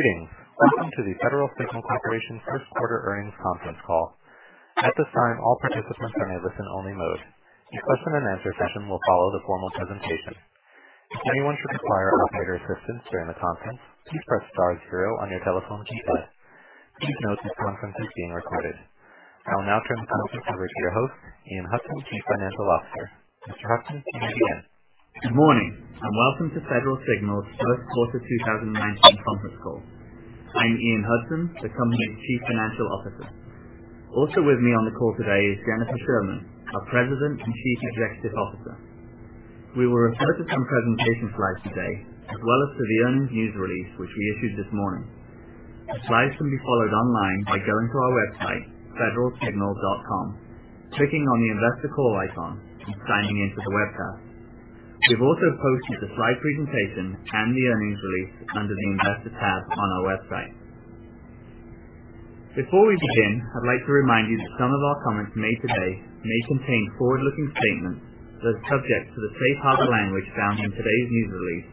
Greetings. Welcome to the Federal Signal Corporation first quarter earnings conference call. At this time, all participants are in a listen only mode. The question and answer session will follow the formal presentation. If anyone should require operator assistance during the conference, please press star zero on your telephone keypad. Please note this conference is being recorded. I will now turn the conference over to your host, Ian Hudson, Chief Financial Officer. Mr. Hudson, you may begin. Good morning. Welcome to Federal Signal's first quarter 2019 conference call. I'm Ian Hudson, the company's Chief Financial Officer. Also with me on the call today is Jennifer Sherman, our President and Chief Executive Officer. We will refer to some presentation slides today, as well as to the earnings news release, which we issued this morning. The slides can be followed online by going to our website, federalsignal.com, clicking on the investor call icon, and signing in to the webcast. We've also posted the slide presentation and the earnings release under the investor tab on our website. Before we begin, I'd like to remind you that some of our comments made today may contain forward-looking statements that are subject to the safe harbor language found in today's news release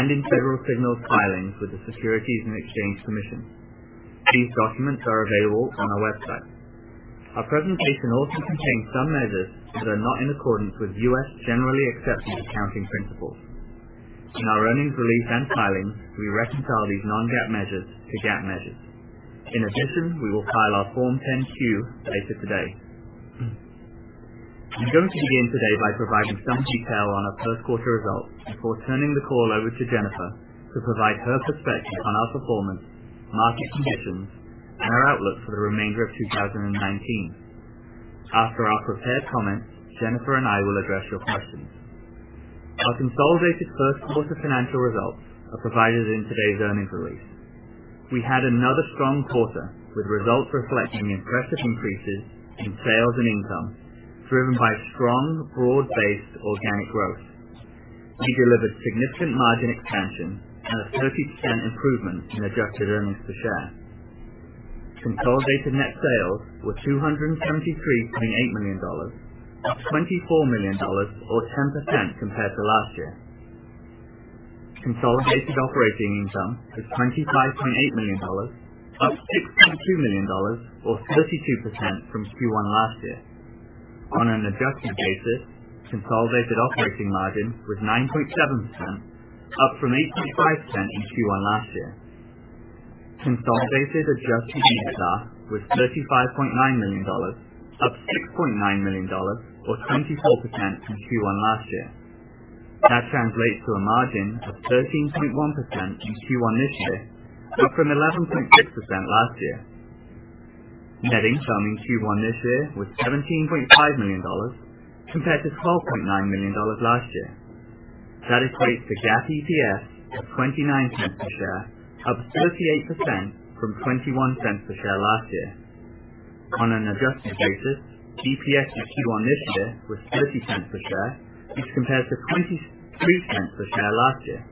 and in Federal Signal's filings with the Securities and Exchange Commission. These documents are available on our website. Our presentation also contains some measures that are not in accordance with U.S. generally accepted accounting principles. In our earnings release and filings, we reconcile these non-GAAP measures to GAAP measures. In addition, we will file our Form 10-Q later today. I'm going to begin today by providing some detail on our first quarter results before turning the call over to Jennifer to provide her perspective on our performance, market conditions, and our outlook for the remainder of 2019. After our prepared comments, Jennifer and I will address your questions. Our consolidated first quarter financial results are provided in today's earnings release. We had another strong quarter with results reflecting impressive increases in sales and income driven by strong, broad-based organic growth. We delivered significant margin expansion and a 30% improvement in adjusted earnings per share. Consolidated net sales were $273.8 million, up $24 million or 10% compared to last year. Consolidated operating income was $25.8 million, up $6.2 million or 32% from Q1 last year. On an adjusted basis, consolidated operating margin was 9.7%, up from 8.5% in Q1 last year. Consolidated adjusted EBITDA was $35.9 million, up $6.9 million or 24% from Q1 last year. That translates to a margin of 13.1% in Q1 this year, up from 11.6% last year. Net income in Q1 this year was $17.5 million compared to $12.9 million last year. That equates to GAAP EPS of $0.29 per share, up 38% from $0.21 per share last year. On an adjusted basis, EPS for Q1 this year was $0.30 per share which compared to $0.22 per share last year.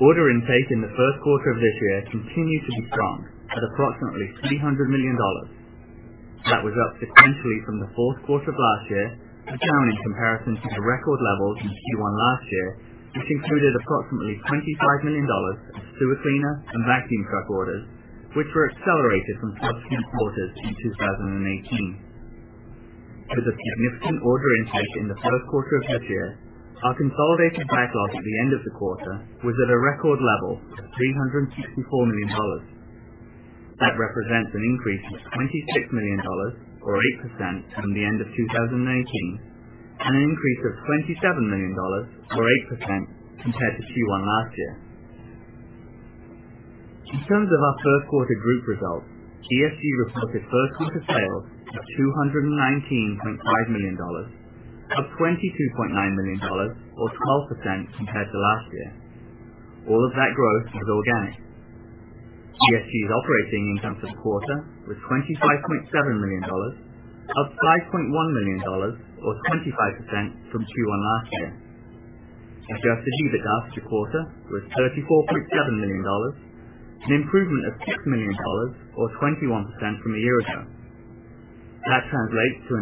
Order intake in the first quarter of this year continued to be strong at approximately $300 million. That was up sequentially from the fourth quarter of last year, but down in comparison to the record levels in Q1 last year, which included approximately $25 million of sewer cleaner and vacuum truck orders, which were accelerated from subsequent quarters in 2018. With a significant order intake in the first quarter of this year, our consolidated backlog at the end of the quarter was at a record level of $364 million. That represents an increase of $26 million or 8% from the end of 2018, and an increase of $27 million or 8% compared to Q1 last year. In terms of our first quarter group results, ESG reported first quarter sales of $219.5 million, up $22.9 million or 12% compared to last year. All of that growth was organic. ESG's operating income for the quarter was $25.7 million, up $5.1 million or 25% from Q1 last year. Adjusted EBITDA for the quarter was $34.7 million, an improvement of $6 million or 21% from a year ago. That translates to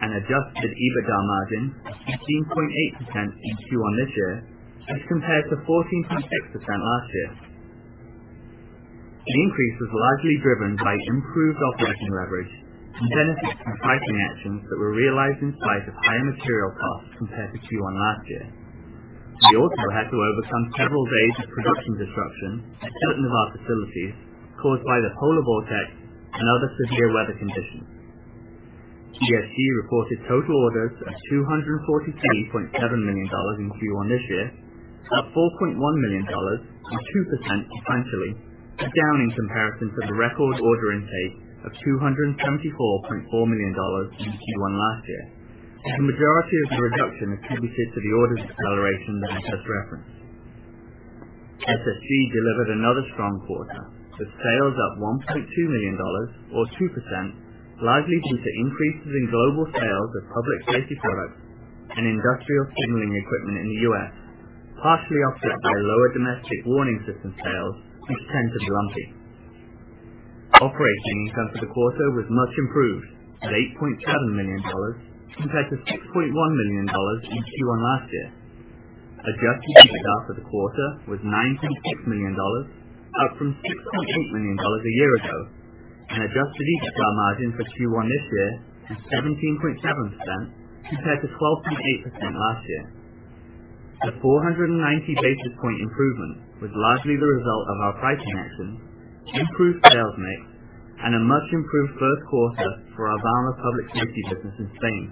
an adjusted EBITDA margin of 15.8% in Q1 this year as compared to 14.6% last year. The increase was largely driven by improved operating leverage and benefits from pricing actions that were realized in spite of higher material costs compared to Q1 last year. We also had to overcome several days of production disruption at certain of our facilities caused by the polar vortex and other severe weather conditions. ESG reported total orders of $243.7 million in Q1 this year, up $4.1 million or 2% sequentially, but down in comparison to the record order intake of $274.4 million in Q1 last year, with the majority of the reduction attributed to the order deceleration that I just referenced. SSG delivered another strong quarter, with sales up $1.2 million or 2%, largely due to increases in global sales of public safety products and industrial signaling equipment in the U.S., partially offset by lower domestic warning system sales, which tend to be lumpy. Operating income for the quarter was much improved at $8.7 million compared to $6.1 million in Q1 last year. Adjusted EBITDA for the quarter was $9.6 million, up from $6.8 million a year ago. Adjusted EBITDA margin for Q1 this year was 17.7% compared to 12.8% last year. The 490 basis point improvement was largely the result of our price increases, improved sales mix, and a much-improved first quarter for our Vama public safety business in Spain.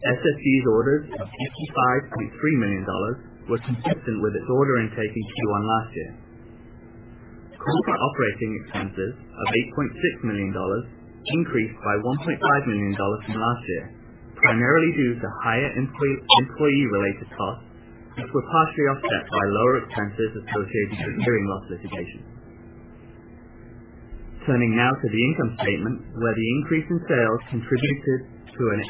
SSG's orders of $55.3 million were consistent with its order intake in Q1 last year. Corporate operating expenses of $8.6 million increased by $1.5 million from last year, primarily due to higher employee-related costs, which were partially offset by lower expenses associated with hearing loss litigation. Turning now to the income statement, where the increase in sales contributed to an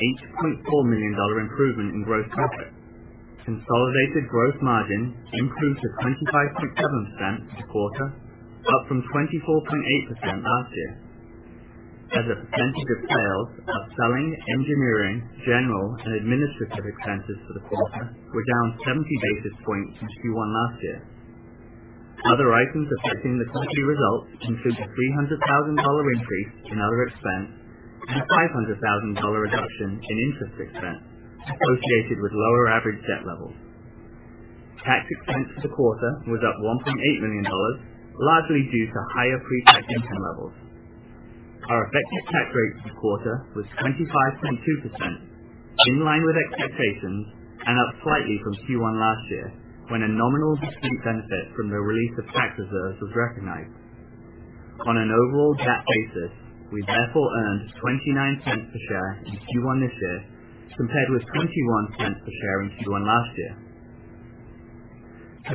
$8.4 million improvement in gross profit. Consolidated gross margin improved to 25.7% this quarter, up from 24.8% last year. As a percentage of sales, our selling, engineering, general, and administrative expenses for the quarter were down 70 basis points in Q1 last year. Other items affecting the company results include a $300,000 increase in other expense and a $500,000 reduction in interest expense associated with lower average debt levels. Tax expense for the quarter was up $1.8 million, largely due to higher pre-tax income levels. Our effective tax rate for the quarter was 25.2%, in line with expectations and up slightly from Q1 last year, when a nominal discrete benefit from the release of tax reserves was recognized. On an overall GAAP basis, we therefore earned $0.29 per share in Q1 this year, compared with $0.21 per share in Q1 last year.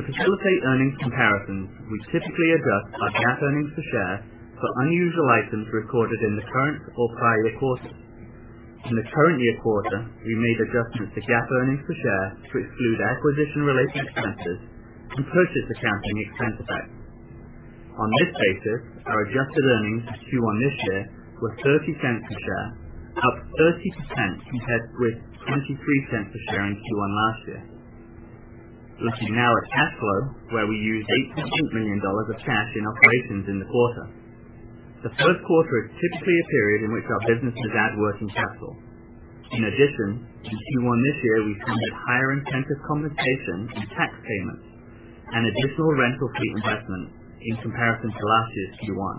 To facilitate earnings comparisons, we typically adjust our GAAP earnings per share for unusual items recorded in the current or prior year quarter. In the current year quarter, we made adjustments to GAAP earnings per share to exclude acquisition-related expenses and purchase accounting expense effects. On this basis, our adjusted earnings for Q1 this year were $0.30 per share, up 30% compared with $0.23 per share in Q1 last year. Looking now at cash flow, where we used $8.8 million of cash in operations in the quarter. The first quarter is typically a period in which our businesses add working capital. In addition, in Q1 this year we funded higher incentive compensation and tax payments and additional rental fleet investments in comparison to last year's Q1.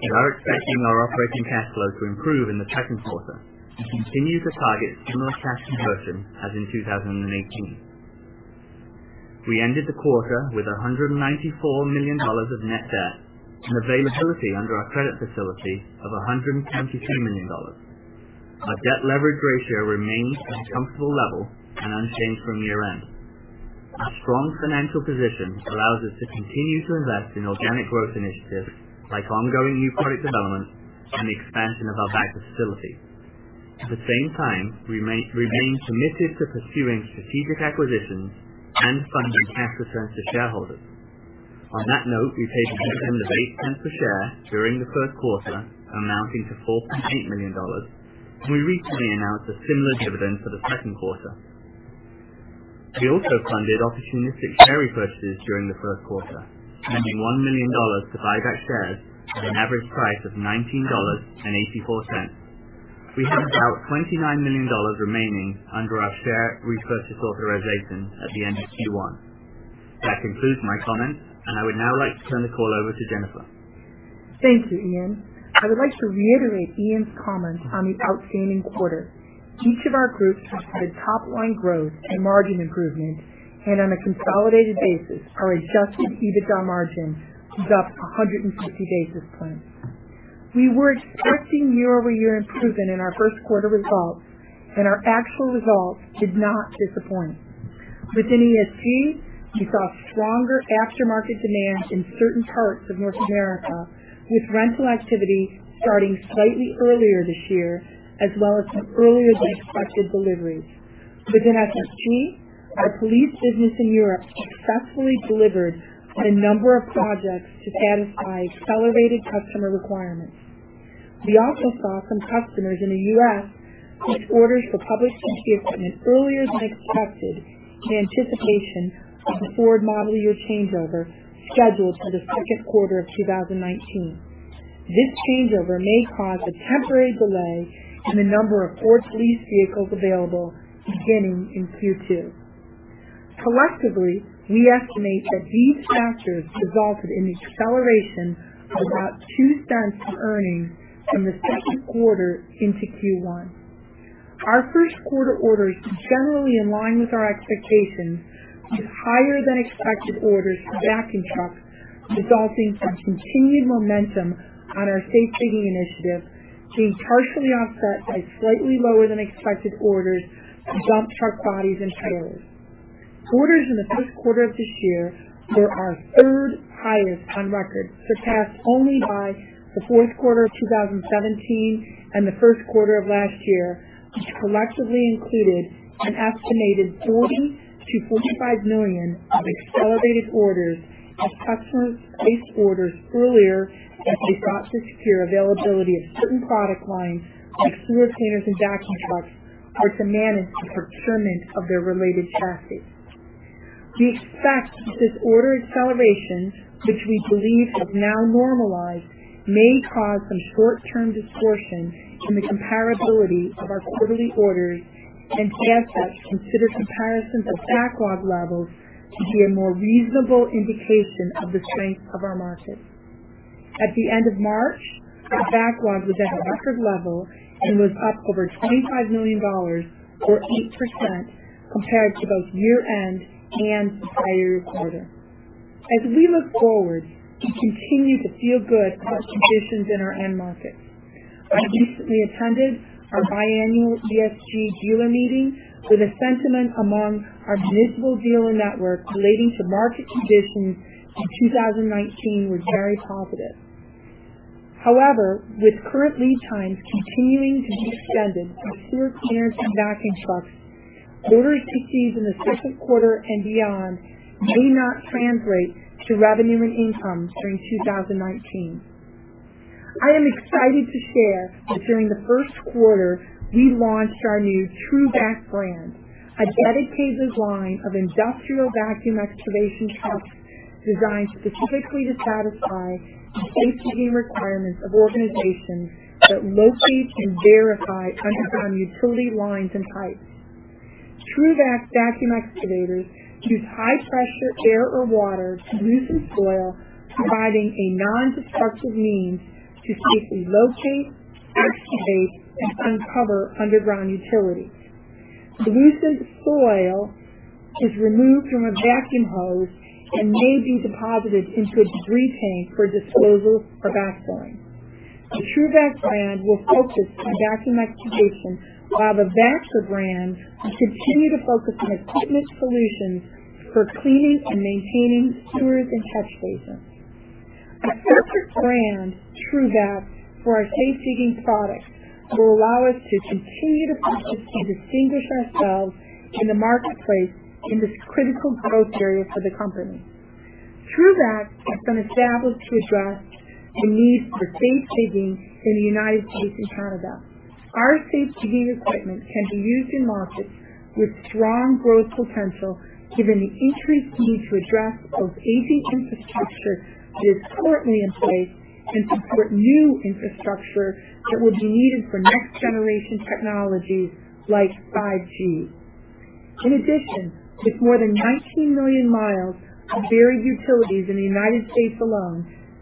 We are expecting our operating cash flow to improve in the second quarter and continue to target similar cash conversion as in 2018. We ended the quarter with $194 million of net debt and availability under our credit facility of $122 million. Our debt leverage ratio remains at a comfortable level and unchanged from year-end. Our strong financial position allows us to continue to invest in organic growth initiatives like ongoing new product development and the expansion of our Bagdad facility. At the same time, we remain committed to pursuing strategic acquisitions and funding cash returns to shareholders. On that note, we paid a dividend of $0.08 per share during the first quarter, amounting to $4.8 million. We recently announced a similar dividend for the second quarter. We also funded opportunistic share purchases during the first quarter, spending $1 million to buy back shares at an average price of $19.84. We had about $29 million remaining under our share repurchase authorization at the end of Q1. That concludes my comments, and I would now like to turn the call over to Jennifer. Thank you, Ian. I would like to reiterate Ian's comments on the outstanding quarter. Each of our groups has had top-line growth and margin improvement, and on a consolidated basis, our adjusted EBITDA margin was up 150 basis points. We were expecting year-over-year improvement in our first quarter results, and our actual results did not disappoint. Within ESG, we saw stronger aftermarket demand in certain parts of North America, with rental activity starting slightly earlier this year, as well as some earlier-than-expected deliveries. Within SSG, our police business in Europe successfully delivered on a number of projects to satisfy accelerated customer requirements. We also saw some customers in the U.S. place orders for public safety equipment earlier than expected in anticipation of the Ford model year changeover scheduled for the second quarter of 2019. This changeover may cause a temporary delay in the number of Ford police vehicles available beginning in Q2. Collectively, we estimate that these factors resulted in the acceleration of about $0.02 of earnings from the second quarter into Q1. Our first quarter orders were generally in line with our expectations, with higher-than-expected orders for Vactor trucks resulting from continued momentum on our safety initiative being partially offset by slightly lower-than-expected orders to dump truck bodies and trailers. Orders in the first quarter of this year were our third highest on record, surpassed only by the fourth quarter of 2017 and the first quarter of last year, which collectively included an estimated $40 million-$45 million of accelerated orders as customers placed orders earlier as they sought to secure availability of certain product lines like sewer cleaners and vacuum trucks or to manage the procurement of their related chassis. We expect that this order acceleration, which we believe has now normalized, may cause some short-term distortion in the comparability of our quarterly orders and therefore consider comparisons of backlog levels to be a more reasonable indication of the strength of our markets. At the end of March, our backlog was at a record level and was up over $25 million or 8% compared to both year-end and the prior year quarter. As we look forward, we continue to feel good about conditions in our end markets. I recently attended our biannual Environmental Solutions Group dealer meeting with a sentiment among our global dealer network relating to market conditions in 2019 were very positive. With current lead times continuing to be extended for sewer cleaners and vacuum trucks, order receipts in the second quarter and beyond may not translate to revenue and income during 2019. I am excited to share that during the first quarter, we launched our new TRUVAC brand, a dedicated line of industrial vacuum excavation trucks designed specifically to satisfy the safe digging requirements of organizations that locate and verify underground utility lines and pipes. TRUVAC vacuum excavators use high-pressure air or water to loosen soil, providing a non-destructive means to safely locate, excavate, and uncover underground utilities. The loosened soil is removed from a vacuum hose and may be deposited into a debris tank for disposal or backfilling. The TRUVAC brand will focus on vacuum excavation while the Vactor brand will continue to focus on equipment solutions for cleaning and maintaining sewers and catch basins. A separate brand, TRUVAC, for our safe digging products will allow us to continue to focus to distinguish ourselves in the marketplace in this critical growth area for the company. TRUVAC has been established to address the need for safe digging in the U.S. and Canada. Our safe digging equipment can be used in markets with strong growth potential, given the increased need to address both aging infrastructure that is currently in place and support new infrastructure that will be needed for next-generation technologies like 5G. With more than 19 million miles of buried utilities in the U.S. alone,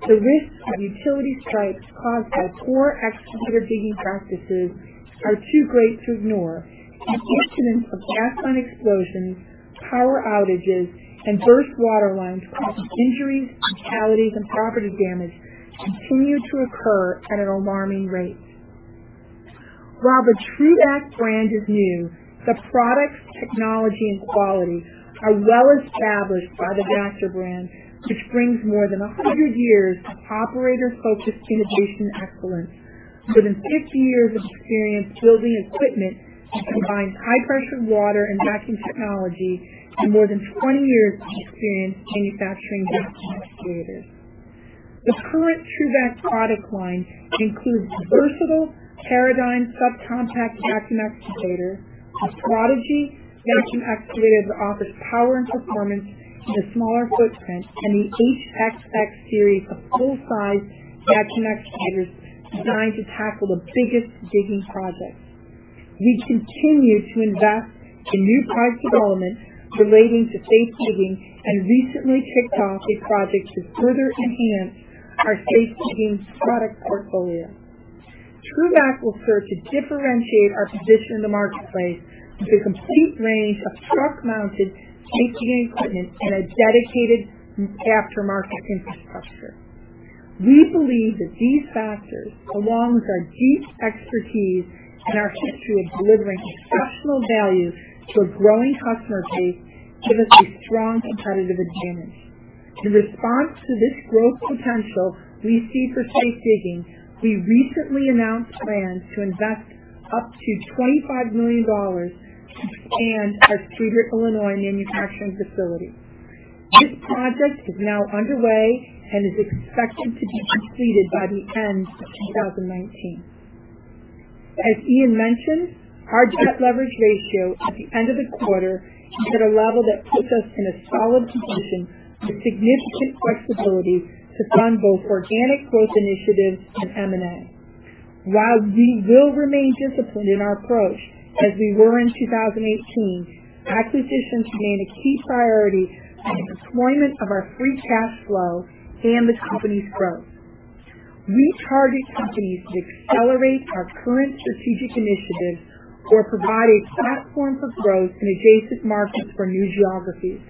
the risks of utility strikes caused by poor excavator digging practices are too great to ignore. The incidence of gas line explosions, power outages, and burst water lines causing injuries, fatalities, and property damage continue to occur at an alarming rate. While the TRUVAC brand is new, the products, technology, and quality are well established by the Vactor brand, which brings more than 100 years of operator-focused innovation excellence, more than 50 years of experience building equipment that combines high-pressure water and vacuum technology, and more than 20 years of experience manufacturing vacuum excavators. The current TRUVAC product line includes the versatile Paradigm sub-compact vacuum excavator, the Prodigy vacuum excavator that offers power and performance in a smaller footprint, and the HXX series of full-size vacuum excavators designed to tackle the biggest digging projects. We continue to invest in new product development relating to safe digging and recently kicked off a project to further enhance our safe digging product portfolio. TRUVAC will serve to differentiate our position in the marketplace with a complete range of truck-mounted safe digging equipment and a dedicated aftermarket infrastructure. We believe that these factors, along with our deep expertise and our history of delivering exceptional value to a growing customer base, give us a strong competitive advantage. In response to this growth potential we see for safe digging, we recently announced plans to invest up to $25 million to expand our Pekin, Illinois, manufacturing facility. This project is now underway and is expected to be completed by the end of 2019. As Ian mentioned, our debt leverage ratio at the end of the quarter is at a level that puts us in a solid position with significant flexibility to fund both organic growth initiatives and M&A. While we will remain disciplined in our approach, as we were in 2018, acquisitions remain a key priority in the deployment of our free cash flow and the company's growth. We target companies that accelerate our current strategic initiatives or provide a platform for growth in adjacent markets or new geographies.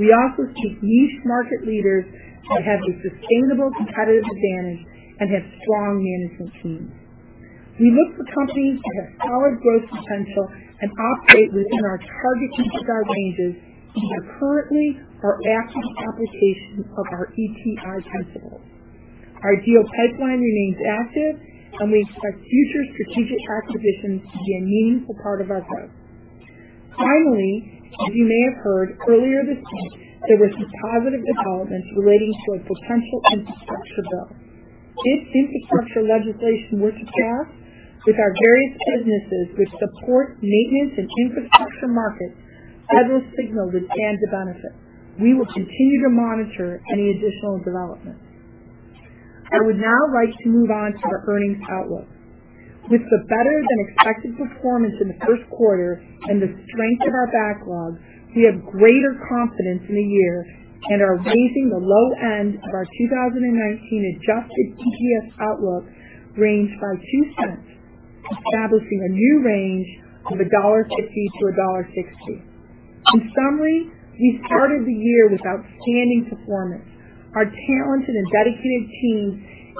We also seek niche market leaders that have a sustainable competitive advantage and have strong management teams. We look for companies that have solid growth potential and operate within our target geographic ranges and are currently or actively applications of our EPI principles. Our deal pipeline remains active, and we expect future strategic acquisitions to be a meaningful part of our growth. Finally, as you may have heard earlier this week, there were some positive developments relating to a potential infrastructure bill. If infrastructure legislation were to pass, with our various businesses which support maintenance and infrastructure markets, Federal Signal would stand to benefit. We will continue to monitor any additional developments. I would now like to move on to our earnings outlook. With the better-than-expected performance in the first quarter and the strength of our backlog, we have greater confidence in the year and are raising the low end of our 2019 adjusted EPS outlook range by $0.02, establishing a new range of $1.50 to $1.60. In summary, we started the year with outstanding performance. Our talented and dedicated teams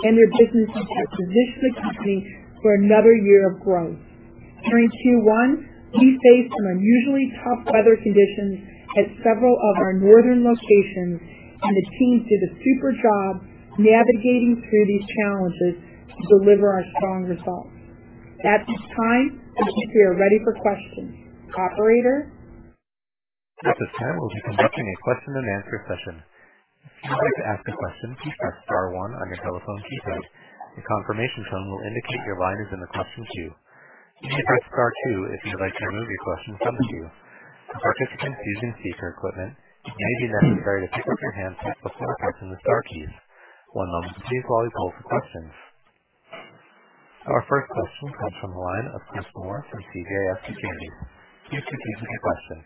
and their businesses have positioned the company for another year of growth. During Q1, we faced some unusually tough weather conditions at several of our northern locations, and the teams did a super job navigating through these challenges to deliver our strong results. At this time, I think we are ready for questions. Operator? At this time, we'll be conducting a question-and-answer session. If you would like to ask a question, please press star one on your telephone keypad. A confirmation tone will indicate your line is in the question queue. You may press star two if you would like to remove your question from the queue. For participants using speaker equipment, it may be necessary to pick up your handset before pressing the star keys. One moment please while we poll for questions. Our first question comes from the line of Chris Moore from CJS Securities. Please proceed with your question.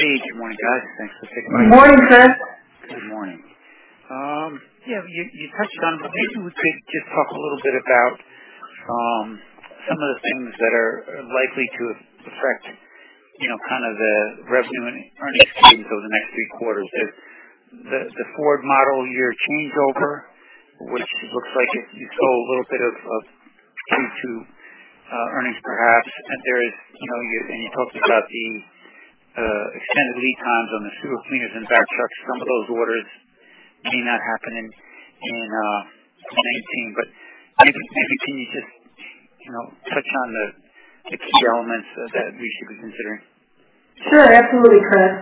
Hey, good morning, guys. Thanks for taking my call. Good morning, Chris. Good morning. Yeah, maybe we could just talk a little bit about some of the things that are likely to affect the revenue and earnings streams over the next three quarters. There's the Ford model year changeover, which looks like it slow a little bit of Q2 earnings perhaps. You talked about the extended lead times on the sewer cleaners and vac trucks. Some of those orders may not happen in 2019. Maybe can you just touch on the key elements that we should be considering? Sure. Absolutely, Chris.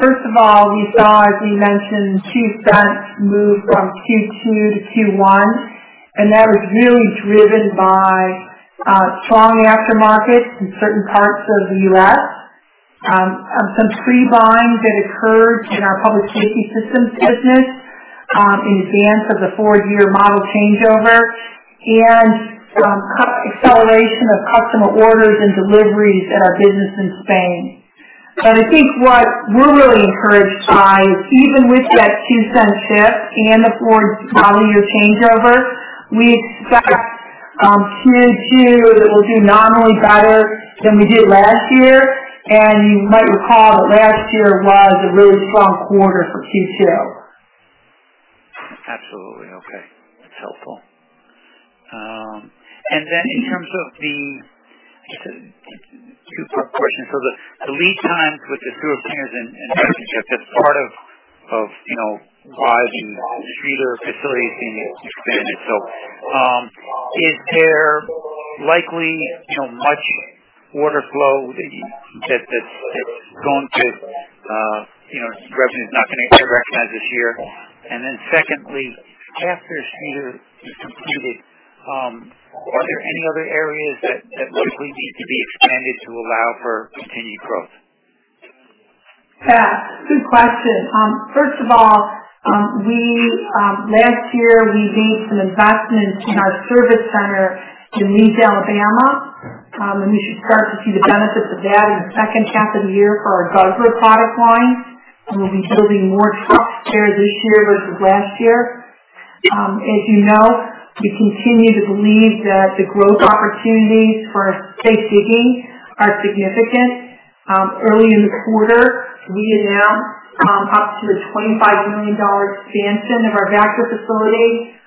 First of all, we saw, as we mentioned, $0.02 move from Q2 to Q1. That was really driven by strong aftermarket in certain parts of the U.S. Some pre-buying that occurred in our Public Safety Systems business in advance of the Ford year model changeover, acceleration of customer orders and deliveries in our business in Spain. I think what we're really encouraged by is even with that $0.02 shift and the Ford's model year changeover, we expect Q2 that we'll do not only better than we did last year, and you might recall that last year was a really strong quarter for Q2. Absolutely. Okay. That's helpful. In terms of Just a two-part question. The lead times with the sewer cleaners and vacuum trucks, that's part of why the Streator facility is being expanded. Is there likely much order flow that's going to Revenue's not going to get recognized this year? Secondly, after Streator is completed, are there any other areas that logically need to be expanded to allow for continued growth? Yeah. Good question. First of all, last year we made some investments in our service center in Leeds, Alabama. We should start to see the benefits of that in the second half of the year for our Gardner product line, we'll be building more trucks there this year versus last year. As you know, we continue to believe that the growth opportunities for safe digging are significant. Early in the quarter, we announced up to a $25 million expansion of our Vactor facility.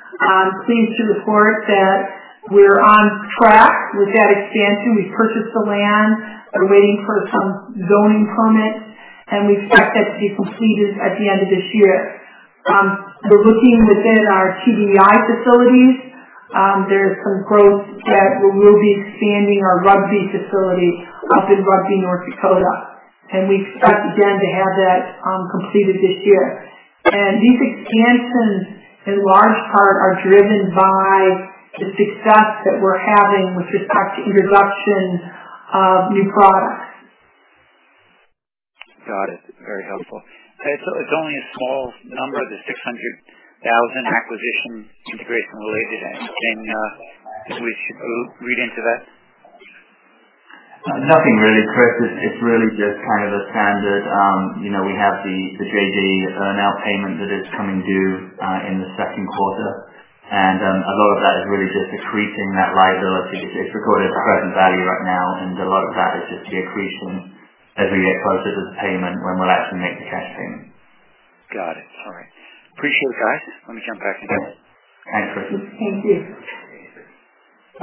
Pleased to report that we're on track with that expansion. We purchased the land. We're waiting for some zoning permits. We expect that to be completed at the end of this year. We're looking within our TBEI facilities. There is some growth that we will be expanding our Rugby facility up in Rugby, North Dakota. We expect again to have that completed this year. These expansions in large part are driven by the success that we're having with this introduction of new products. Got it. Very helpful. Okay, it's only a small number, the $600,000 acquisition integration related item. Can we read into that? Nothing really, Chris. It's really just a standard. We have the JJE earn-out payment that is coming due in the second quarter. A lot of that is really just decreasing that liability. It's recorded at current value right now, and a lot of that is just decreasing as we get closer to the payment when we'll actually make the cash payment. Got it. All right. Appreciate it, guys. Let me jump back in line. Thank you.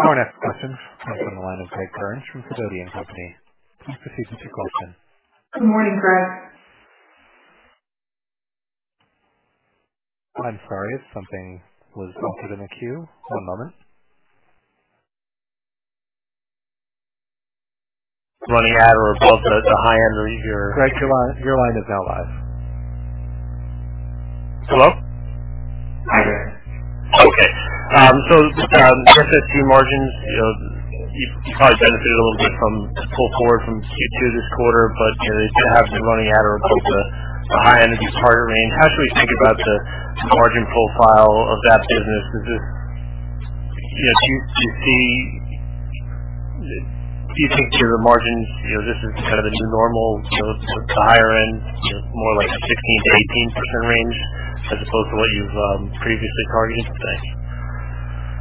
Our next question comes from the line of Greg Burns from Sidoti & Company. Please proceed with your question. Good morning, Greg. I'm sorry. Something was bumped in the queue. One moment. Running at or above the high end of your- Greg, your line is now live. Hello? Hi, Greg. Okay. Just to two margins, you probably benefited a little bit from the pull forward from Q2 this quarter, but is it absolutely running at or above the high end of your target range? How should we think about the margin profile of that business? Do you think your margins, this is kind of the new normal, sort of the higher end, more like a 16%-18% range as opposed to what you've previously targeted?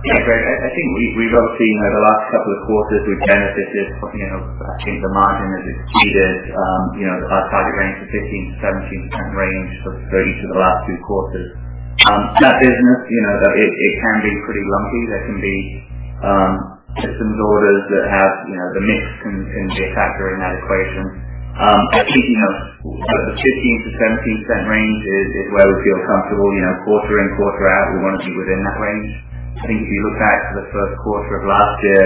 Yeah. Greg, I think we've obviously, over the last couple of quarters, we've benefited from changing the margin as it's cheated our target range to 15%-17% range for each of the last two quarters. That business, it can be pretty lumpy. There can be systems orders that have the mix can be a factor in that equation. I think the 15%-17% range is where we feel comfortable quarter in, quarter out. We want to be within that range. I think if you look back to the first quarter of last year,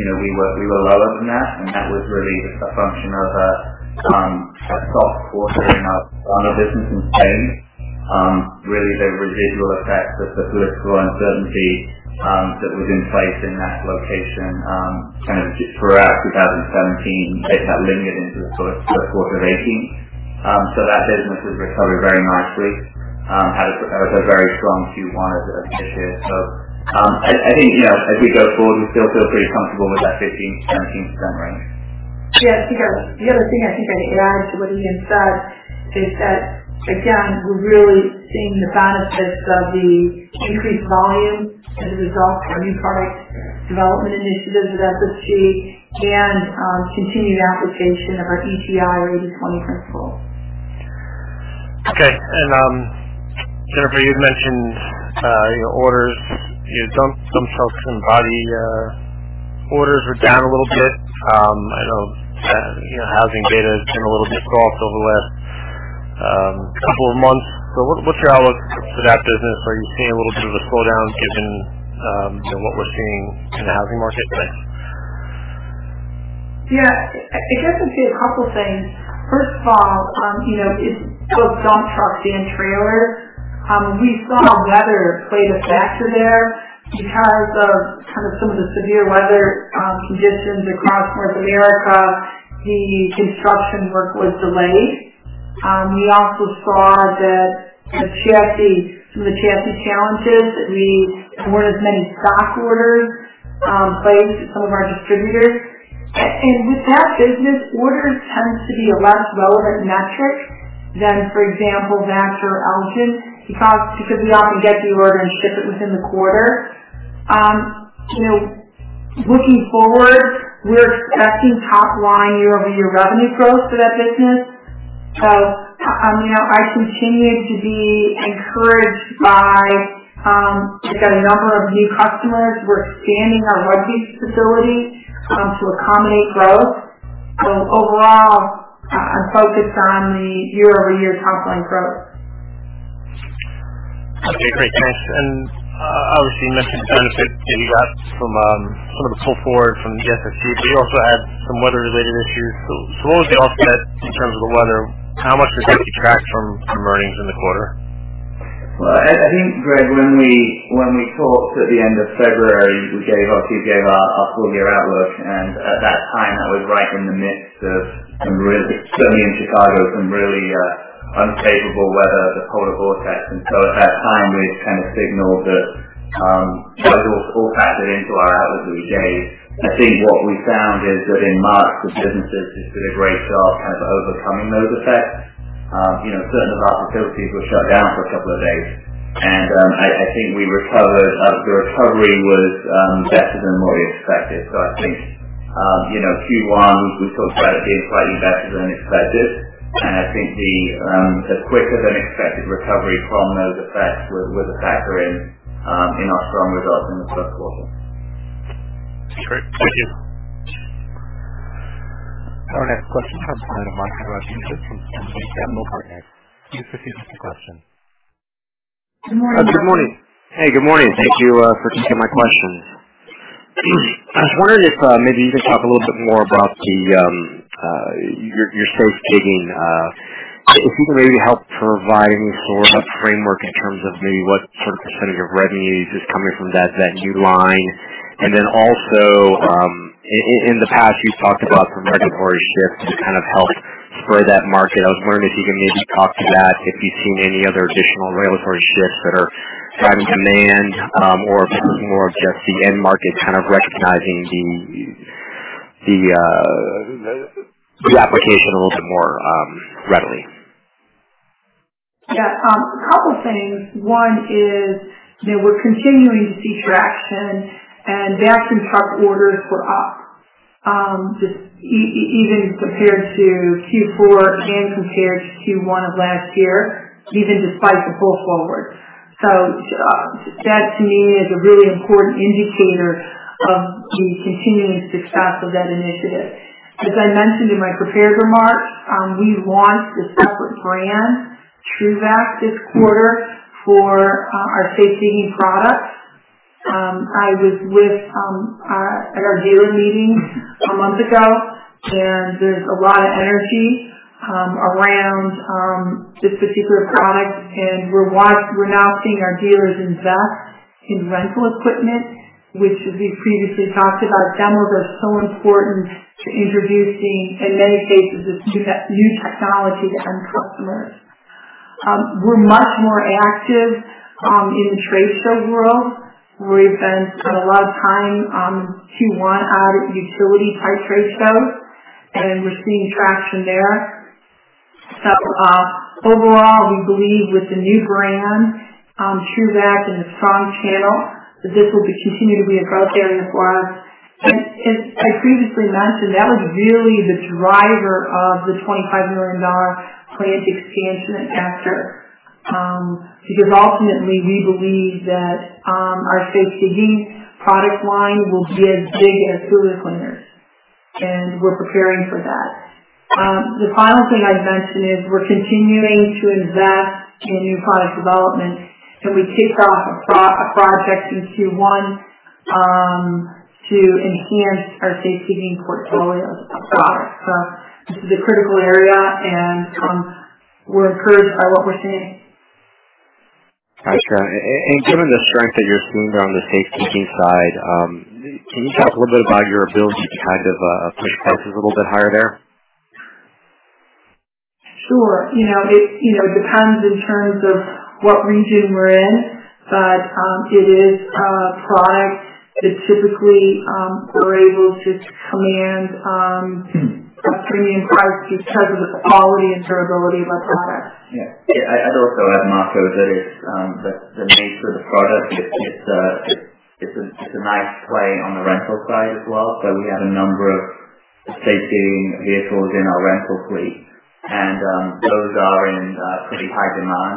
we were lower than that, and that was really just a function of a soft quarter in our business in Spain. Really the residual effect of the political uncertainty that was in place in that location kind of throughout 2017, and that limited into the first quarter of 2018. That business has recovered very nicely, had a very strong Q1 of this year. I think going forward, we still feel pretty comfortable with that 15%-17% range. The other thing I think I'd add to what Ian said is that, again, we're really seeing the benefits of the increased volume as a result of our new product development initiatives with SSG and continued application of our ETI 80/20 principle. Jennifer, you'd mentioned your dump truck and body orders are down a little bit. I know housing data has been a little bit soft over the last couple of months. What's your outlook for that business? Are you seeing a little bit of a slowdown given what we're seeing in the housing market today? I guess I'd say a couple things. First of all, both dump trucks and trailers. We saw weather play a factor there because of some of the severe weather conditions across North America, the construction work was delayed. We also saw that with some of the chassis challenges, that we weren't as many stock orders placed at some of our distributors. With that business, orders tends to be a less relevant metric than, for example, Vactor or Elgin, because we often get the order and ship it within the quarter. Looking forward, we're expecting top line year-over-year revenue growth for that business. I continue to be encouraged by a number of new customers. We're expanding our Rugby facility to accommodate growth. Overall, I'm focused on the year-over-year top line growth. Okay, great. Thanks. Obviously, you mentioned the benefit that you got from some of the pull forward from the SSG, but you also had some weather-related issues. What was the offset in terms of the weather? How much did it detract from earnings in the quarter? Well, I think, Greg, when we talked at the end of February, we gave our full year outlook. At that time, that was right in the midst of some really, certainly in Chicago, some really unfavorable weather, the polar vortex. At that time, we kind of signaled that that was all factored into our outlook we gave. What we found is that in March, the business has just did a great job kind of overcoming those effects. Certain of our facilities were shut down for a couple of days. We recovered. The recovery was better than what we expected. Q1, we talked about it being quite invested and unexpected, and the quicker-than-expected recovery from those effects were the factor in our strong results in the first quarter. Great. Thank you. Our next question comes from the line of Marco Rodriguez from Stonegate Capital Markets. Please proceed with your question. Good morning. Good morning. Hey, good morning. Thank you for taking my questions. I was wondering if maybe you could talk a little bit more about your safe digging. If you can maybe help providing sort of a framework in terms of maybe what sort of percentage of revenues is coming from that new line. Also, in the past, you've talked about some regulatory shifts that kind of helped spur that market. I was wondering if you can maybe talk to that, if you've seen any other additional regulatory shifts that are driving demand or if more of just the end market kind of recognizing the application a little bit more readily. Yeah. A couple things. One is that we're continuing to see traction, and Vactor and truck orders were up even compared to Q4 and compared to Q1 of last year, even despite the pull forward. That to me is a really important indicator of the continuing success of that initiative. As I mentioned in my prepared remarks, we launched a separate brand, TRUVAC, this quarter for our safe digging products. I was at our dealer meeting a month ago, and there's a lot of energy around this particular product. We're now seeing our dealers invest in rental equipment, which we've previously talked about. Demos are so important to introducing, in many cases, this new technology to end customers. We're much more active in the trade show world. We've spent a lot of time in Q1 at utility-type trade shows, and we're seeing traction there. Overall, we believe with the new brand, TRUVAC, and the strong channel, that this will continue to be a growth area for us. As I previously mentioned, that was really the driver of the $25 million plant expansion in Vactor. Because ultimately, we believe that our safe digging product line will be as big as sewer cleaners, and we're preparing for that. The final thing I'd mention is we're continuing to invest in new product development, and we kicked off a project in Q1 to enhance our safe digging portfolio of products. This is a critical area, and we're encouraged by what we're seeing. Got you. Given the strength that you're seeing around the safe digging side, can you talk a little bit about your ability to push prices a little bit higher there? Sure. It depends in terms of what region we're in, but it is a product that typically we're able to command premium prices because of the quality and durability of our products. Yeah. I'd also add, Marco, that the nature of the product, it's a nice play on the rental side as well. We have a number of safe digging vehicles in our rental fleet, and those are in pretty high demand.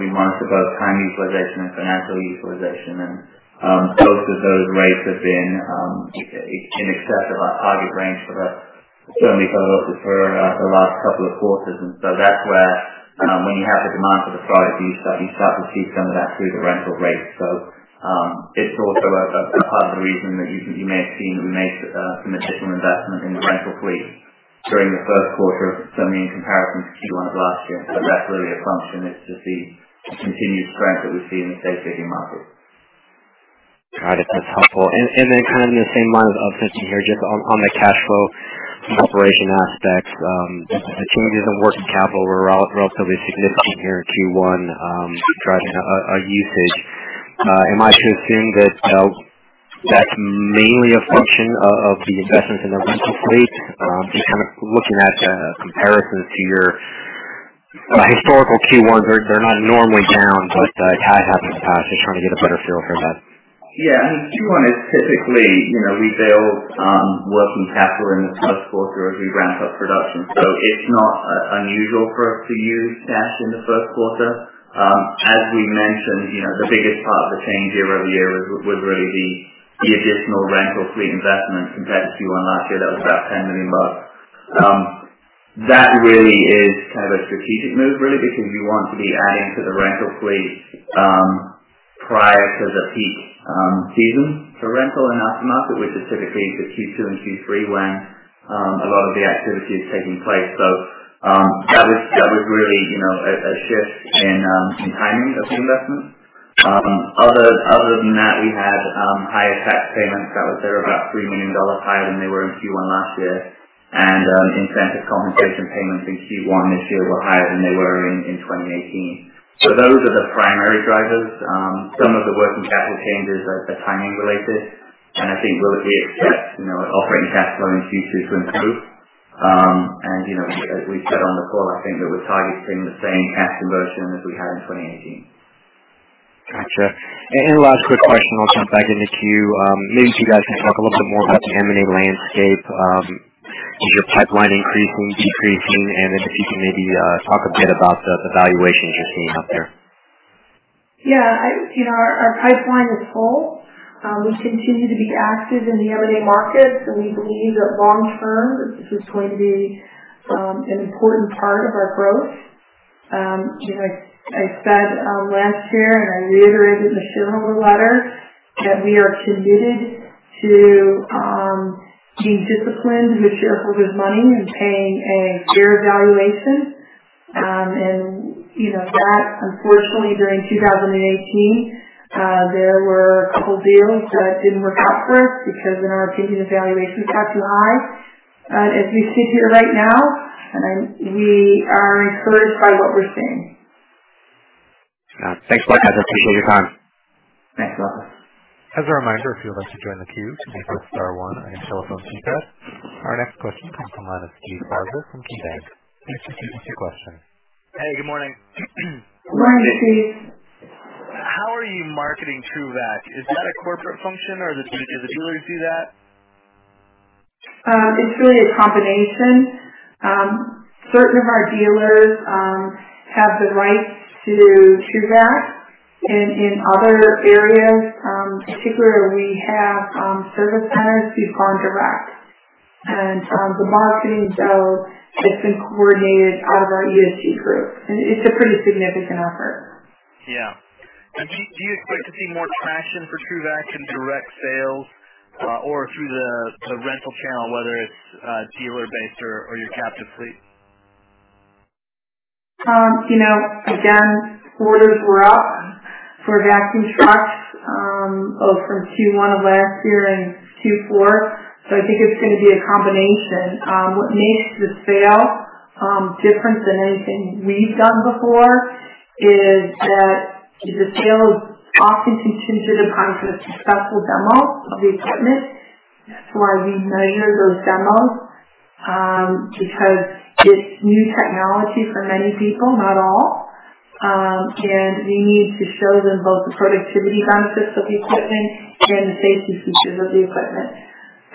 We monitor both time utilization and financial utilization, and both of those rates have been in excess of our target range for the, certainly for the last couple of quarters. That's where, when you have the demand for the product, you start to see some of that through the rental rates. It's also a part of the reason that you may have seen that we made some additional investment in the rental fleet during the first quarter of, certainly in comparison to Q1 of last year. That's really a function, it's just the continued strength that we see in the safe digging market. Got it. That's helpful. In the same line of thinking here, just on the cash flow from operation aspects, the changes in working capital were relatively significant here in Q1, driving our usage. Am I to assume that that's mainly a function of the investments in the rental fleet? Just looking at comparisons to your historical Q1s, they're not normally down, but it has happened in the past. Just trying to get a better feel for that. Yeah. I mean, Q1 is typically, we build working capital in the first quarter as we ramp up production. It's not unusual for us to use cash in the first quarter. As we mentioned, the biggest part of the change year-over-year was really the additional rental fleet investment compared to Q1 last year. That was about $10 million. That really is a strategic move, really, because we want to be adding to the rental fleet prior to the peak season for rental in our market, which is typically the Q2 and Q3 when a lot of the activity is taking place. That was really a shift in timing of the investment. Other than that, we had higher tax payments, about $3 million higher than they were in Q1 last year. Incentive compensation payments in Q1 this year were higher than they were in 2018. Those are the primary drivers. Some of the working capital changes are timing related, and I think we'll see operating cash flow in Q2 will improve. We've said on the call, I think that we're targeting the same cash conversion as we had in 2018. Got you. Last quick question, I'll jump back into queue. Maybe if you guys can talk a little bit more about the M&A landscape. Is your pipeline increasing, decreasing? If you can maybe talk a bit about the valuations you're seeing out there. Yeah. Our pipeline is full. We continue to be active in the M&A markets, and we believe that long term, this is going to be an important part of our growth. Like I said last year, and I reiterated in the shareholder letter, we are committed to being disciplined with shareholders' money and paying a fair valuation. Unfortunately during 2018, there were a couple deals that didn't work out for us because in our opinion, the valuations got too high. As we sit here right now, we are encouraged by what we're seeing. Got it. Thanks a lot, guys. I appreciate your time. Thanks, Marco. As a reminder, if you'd like to join the queue, simply press star one on your telephone keypad. Our next question comes from the line of Steve Barger from KeyBanc. Please proceed with your question. Hey, good morning. Morning, Steve. How are you marketing TRUVAC? Is that a corporate function or does each of the dealers do that? It's really a combination. Certain of our dealers have the rights to TRUVAC, and in other areas, particularly, we have service centers do call direct. The marketing itself has been coordinated out of our ESG group. It's a pretty significant effort. Yeah. Do you expect to see more traction for TRUVAC in direct sales or through the rental channel, whether it's dealer-based or your captive fleet? Orders were up for vacuum trucks, both from Q1 of last year and Q4. I think it's going to be a combination. What makes the sale different than anything we've done before is that the sale is often contingent upon a successful demo of the equipment. That's why we measure those demos, because it's new technology for many people, not all. We need to show them both the productivity benefits of the equipment and the safety features of the equipment.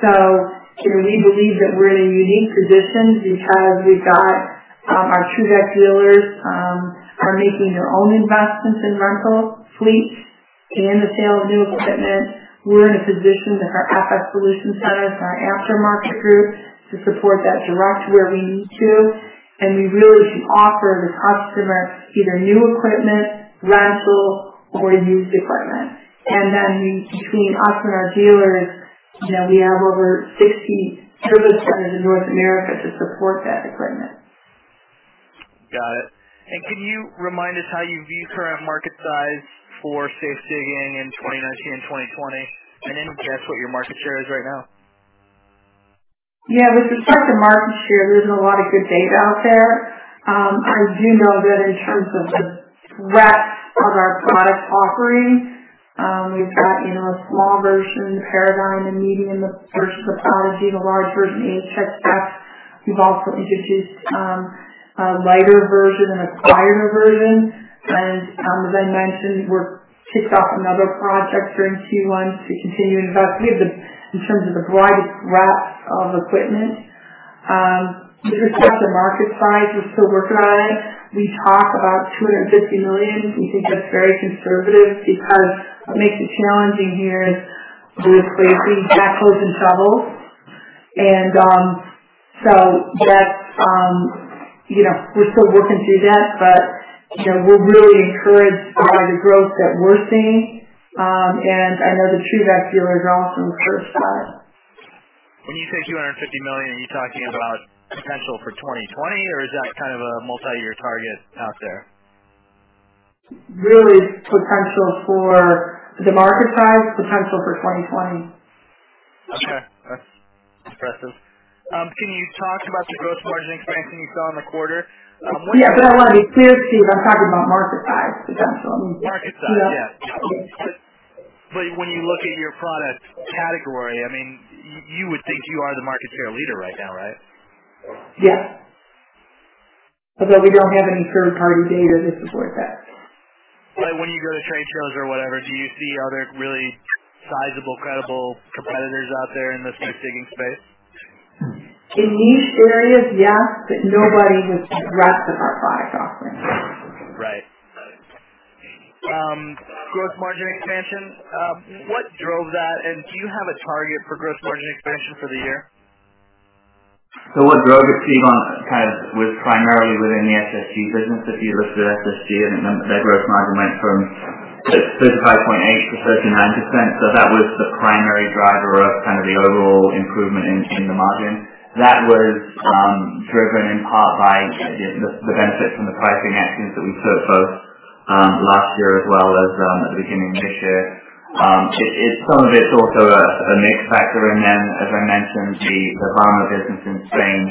We believe that we're in a unique position because we've got our TRUVAC dealers are making their own investments in rental fleets and the sale of new equipment. We're in a position with our FS Solutions centers and our aftermarket group to support that direct where we need to, and we really can offer this customer either new equipment, rental, or used equipment. Between us and our dealers, we have over 60 service centers in North America to support that equipment. Got it. Can you remind us how you view current market size for safe digging in 2019 and 2020, and any guess what your market share is right now? Yeah. With respect to market share, there isn't a lot of good data out there. I do know that in terms of the breadth of our product offering, we've got a small version Paradigm, a medium version Prodigy, the large version, HXX. We've also introduced a lighter version, a quieter version. As I mentioned, we've kicked off another project during Q1 to continue to invest. We have in terms of the broadest breadth of equipment. With respect to market size, we're still working on it. We talk about $250 million. We think that's very conservative because what makes it challenging here is we basically backhoes and shovels. We're still working through that. We're really encouraged by the growth that we're seeing. I know the TRUVAC dealers are also encouraged by it. When you say $250 million, are you talking about potential for 2020, or is that kind of a multi-year target out there? Really potential for the market size potential for 2020. Okay. That's impressive. Can you talk about the gross margin expansion you saw in the quarter? Yeah, I want to be clear, Steve, I'm talking about market size potential. Market size. Yeah. Yeah. When you look at your product category, you would think you are the market share leader right now, right? Yes. Although we don't have any third-party data to support that. When you go to trade shows or whatever, do you see other really sizable, credible competitors out there in the safe digging space? In niche areas, yes, but nobody with the breadth of our product offering. Right. Gross margin expansion, what drove that? Do you have a target for gross margin expansion for the year? What drove it, Steve, was primarily within the SSG business. If you look through SSG, their gross margin went from 35.8%-39%. That was the primary driver of the overall improvement in the margin. That was driven in part by the benefits from the pricing actions that we took both last year as well as at the beginning of this year. Some of it's also a mix factor in them. As I mentioned, the Vama business in Spain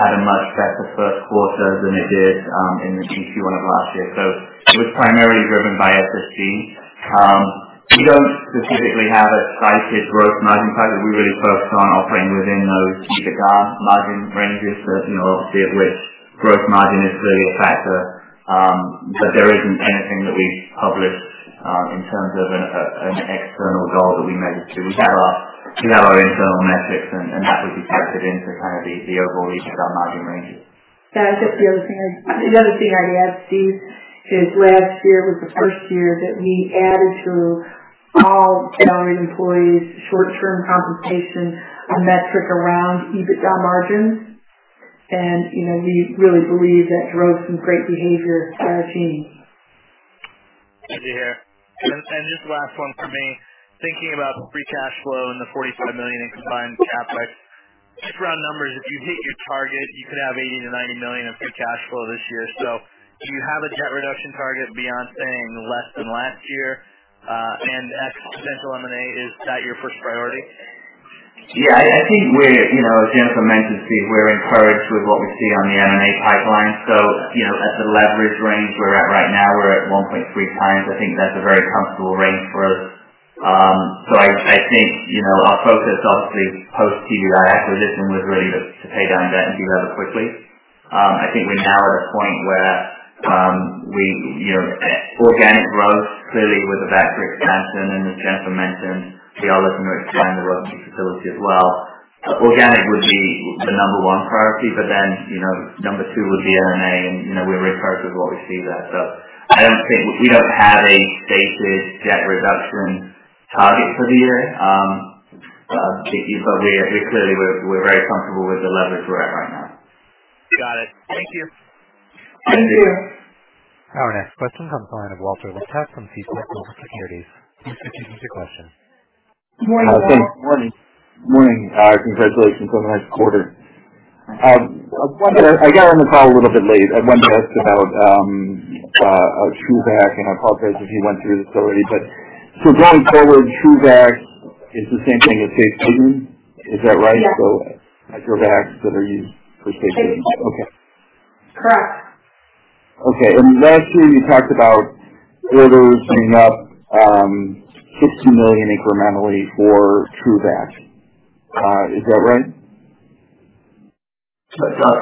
had a much better first quarter than it did in the Q1 of last year. It was primarily driven by SSG. We don't specifically have a cited gross margin target. We really focus on operating within those EBITDA margin ranges. Obviously, at which gross margin is clearly a factor. There isn't anything that we've published in terms of an external goal that we measure to. We have our internal metrics, that would be factored into the overall EBITDA margin ranges. The other thing I'd add, Steve, is last year was the first year that we added through all salaried employees, short-term compensation, a metric around EBITDA margins. We really believe that drove some great behavior in our team. Good to hear. Just the last one from me, thinking about the free cash flow and the $45 million in combined CapEx. Just round numbers, if you hit your target, you could have $80 million-$90 million of free cash flow this year. Do you have a debt reduction target beyond saying less than last year? As it relates to M&A, is that your first priority? I think as Jennifer mentioned, Steve, we're encouraged with what we see on the M&A pipeline. At the leverage range we're at right now, we're at 1.3 times. I think that's a very comfortable range for us. I think our focus, obviously, post TBEI acquisition was really to pay down debt and do that quickly. I think we're now at a point where organic growth clearly with the factory expansion, as Jennifer mentioned, we are looking to expand the Rugby facility as well. Organic would be the number 1 priority, then, number 2 would be M&A, and we're very encouraged with what we see there. I don't think we don't have a stated debt reduction target for the year. We clearly we're very comfortable with the levers we're at right now. Got it. Thank you. Thank you. Our next question comes from the line of Walt Liptak from Seaport Global Securities. Please proceed with your question. Morning, Walt. Thanks. Morning. Congratulations on a nice quarter. Thank you. I got on the call a little bit late. I wanted to ask about TRUVAC. I apologize if you went through this already, going forward, TRUVAC is the same thing as safe digging, is that right? Yes. micro vacs that are used for safe digging. Correct. Okay. Last year you talked about orders being up, $16 million incrementally for TRUVAC. Is that right?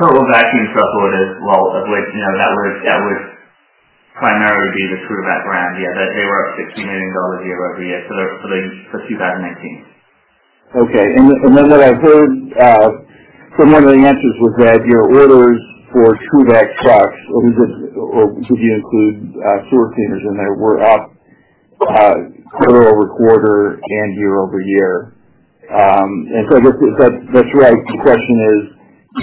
Total vacuum truck orders, Walt, of which that would primarily be the TRUVAC brand, yeah. They were up $16 million year-over-year for 2019. Okay. What I heard from one of the answers was that your orders for TRUVAC trucks, or did you include sewer cleaners in there, were up, quarter-over-quarter and year-over-year. I guess if that's right, the question is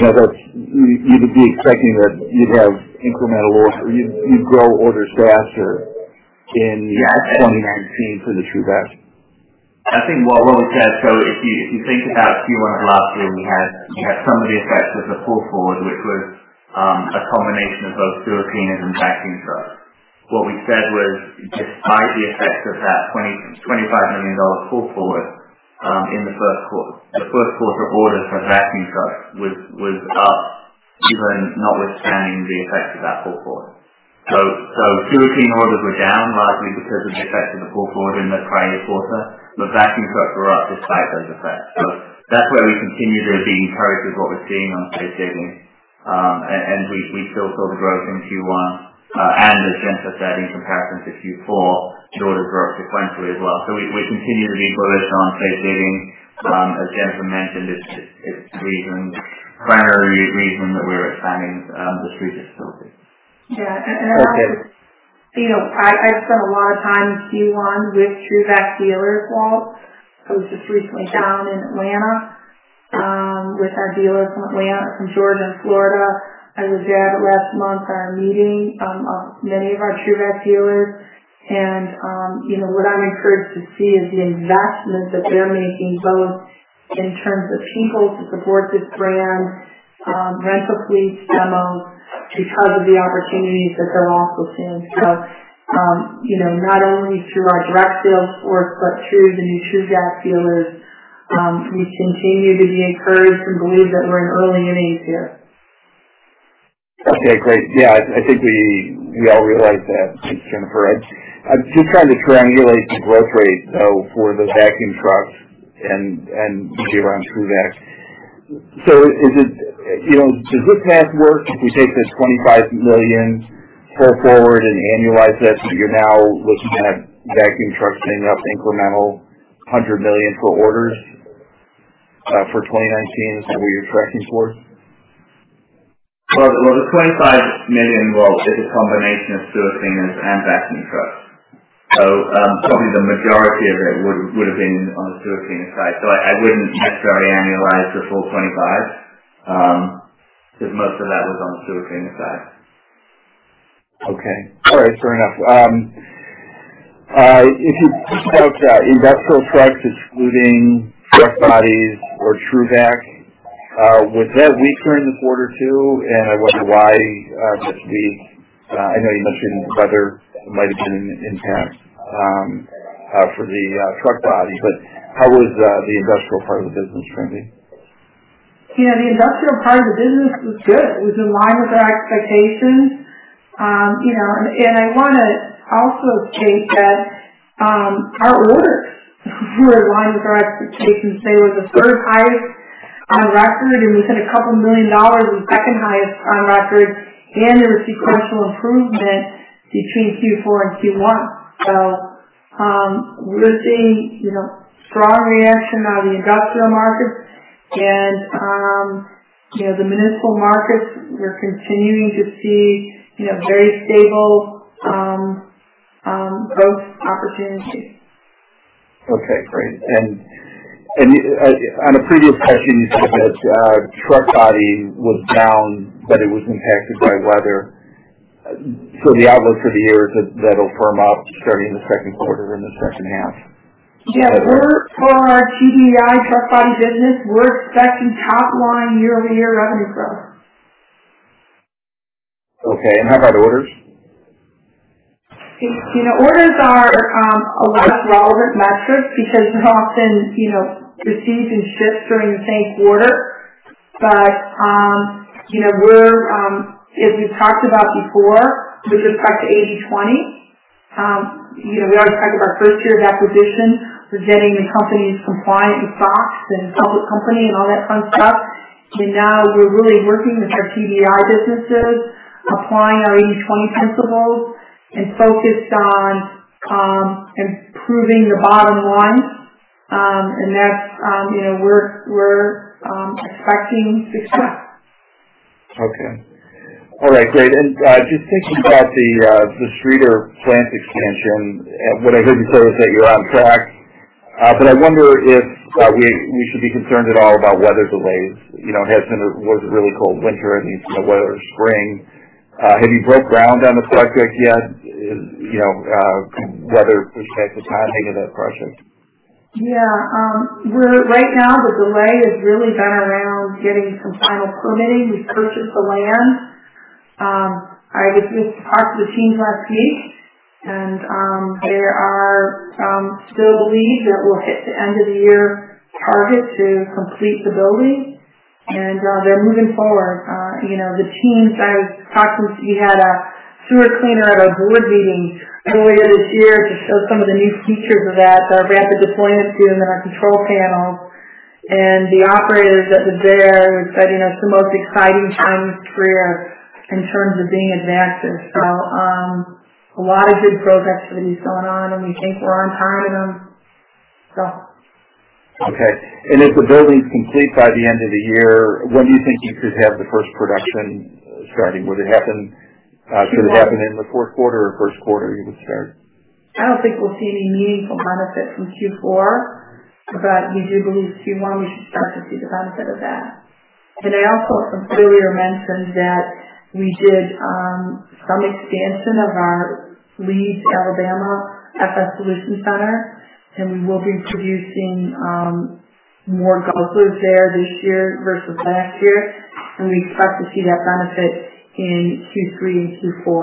you would be expecting that you'd have incremental orders or you'd grow orders faster in 2019 for the TRUVAC? I think what we said, so if you think about Q1 of last year, when you had some of the effects of the pull forward, which was a combination of both sewer cleaners and vacuum trucks. What we said was despite the effect of that $25 million pull forward in the first quarter, orders for vacuum trucks was up even notwithstanding the effect of that pull forward. Sewer clean orders were down, largely because of the effect of the pull forward in the prior quarter. Vacuum trucks were up despite those effects. That's where we continue to be encouraged with what we're seeing on safe digging. We still saw the growth in Q1 and as Jennifer said, in comparison to Q4, orders were up sequentially as well. We continue to be bullish on safe digging. As Jennifer mentioned, it's the primary reason that we're expanding the TRUVAC facility. Yeah. Okay. I've spent a lot of time in Q1 with TRUVAC dealers, Walt. I was just recently down in Atlanta with our dealers from Atlanta, from Georgia and Florida. I was there last month for our meeting of many of our TRUVAC dealers. What I'm encouraged to see is the investment that they're making, both in terms of people to support this brand, rental fleets, demos, because of the opportunities that they're also seeing. Not only through our direct sales force, but through the new TRUVAC dealers. We continue to be encouraged and believe that we're in early innings here. Okay, great. Yeah, I think we all realize that, Jennifer. I'm just trying to triangulate the growth rate, though, for the vacuum trucks and around TRUVAC. Does this math work if we take this $25 million pull forward and annualize this, so you're now looking at vacuum trucks bringing up incremental $100 million for orders for 2019? Is that what you're tracking for? Well, the $25 million, Walt, is a combination of sewer cleaners and vacuum trucks. Probably the majority of it would've been on the sewer cleaner side. I wouldn't necessarily annualize the full 25, because most of that was on the sewer cleaner side. Okay. All right. Fair enough. If you just note industrial trucks excluding truck bodies or TRUVAC, was that weaker in the quarter, too? I wonder why that would be. I know you mentioned the weather might have been an impact for the truck body, but how was the industrial part of the business trending? The industrial part of the business was good. It was in line with our expectations. I want to also state that our orders were in line with our expectations. They were the third highest on record, and we set a couple billion dollars of second highest on record, and there was sequential improvement between Q4 and Q1. We're seeing strong reaction out of the industrial markets and the municipal markets. We're continuing to see very stable growth opportunities. Okay, great. On a previous question, you said that truck body was down, but it was impacted by weather. The outlook for the year is that that'll firm up starting in the second quarter and the second half. Yeah. For our TBEI truck body business, we're expecting top line year-over-year revenue growth. Okay. How about orders? Orders are a less relevant metric because often, the season shifts during the same quarter. As we've talked about before with respect to 80/20. We always talk about our first year of acquisition was getting the companies compliant with SOX and a public company and all that fun stuff. Now we're really working with our TBEI businesses, applying our 80/20 principles, and focused on improving the bottom line. We're expecting success. Okay. All right, great. Just thinking about the Streator plant expansion, what I heard you say was that you're on track. I wonder if we should be concerned at all about weather delays. It was a really cold winter, and you still wet spring. Have you broke ground on the project yet? With respect to the timing of that project. Yeah. Right now the delay has really been around getting some final permitting. We purchased the land. I was just talking to the team last week, and they still believe that we'll hit the end of the year target to complete the building, and they're moving forward. The teams I was talking to, we had a sewer cleaner at our board meeting earlier this year to show some of the new features of that, our rapid deployment unit and our control panel. The operators that were there said, it's the most exciting time in his career in terms of being at Vactor. A lot of good progress for these going on, and we think we're on time with them. Okay. If the building's complete by the end of the year, when do you think you could have the first production starting? Could it happen in the fourth quarter or first quarter it would start? I don't think we'll see any meaningful benefit from Q4, but we do believe Q1, we should start to see the benefit of that. I also, earlier, mentioned that we did some expansion of our Leeds, Alabama FS Solutions center, and we will be producing more Guzzler there this year versus last year. We expect to see that benefit in Q3 and Q4.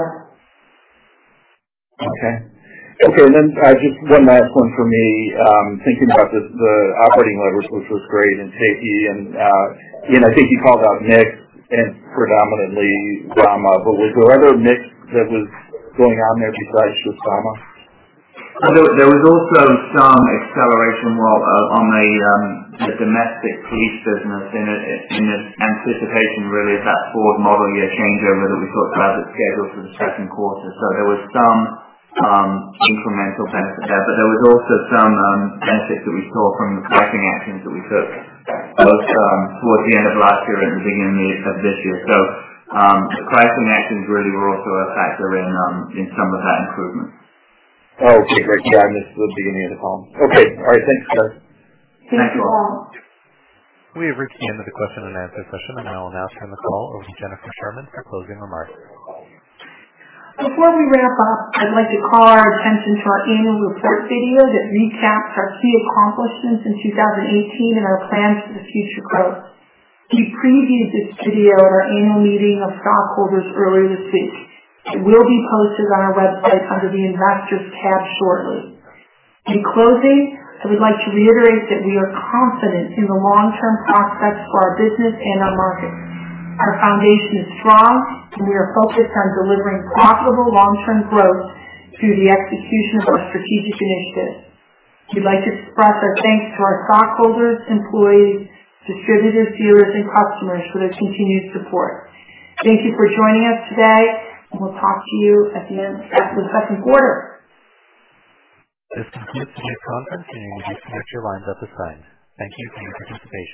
Okay. Just one last one for me. Thinking about the operating leverage, which was great in Taiji, I think you called out mix and predominantly TRUVAC. Was there other mix that was going on there besides just TRUVAC? There was also some acceleration on the domestic fleet business in anticipation, really, of that forward model year changeover that we talked about that's scheduled for the second quarter. There was some incremental benefit there. There was also some benefit that we saw from the pricing actions that we took both towards the end of last year and beginning of this year. The pricing actions really were also a factor in some of that improvement. Okay, great. Yeah, I missed the beginning of the call. Okay. All right, thanks, guys. Thank you all. We have reached the end of the question and answer session. I will now turn the call over to Jennifer Sherman for closing remarks. Before we wrap up, I'd like to call our attention to our annual report video that recaps our key accomplishments in 2018 and our plans for the future growth. We previewed this video at our annual meeting of stockholders earlier this week. It will be posted on our website under the Investors tab shortly. In closing, I would like to reiterate that we are confident in the long-term prospects for our business and our market. Our foundation is strong. We are focused on delivering profitable long-term growth through the execution of our strategic initiatives. We'd like to express our thanks to our stockholders, employees, distributors, dealers, and customers for their continued support. Thank you for joining us today. We'll talk to you at the end of the second quarter. This concludes today's conference. You may disconnect your lines at this time. Thank you for your participation.